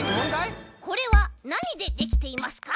これはなにでできていますか？